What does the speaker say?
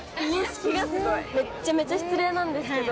めっちゃめちゃ失礼なんですけど。